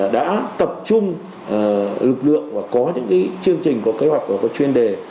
đã tập trung lực lượng và có những chương trình có kế hoạch và có chuyên đề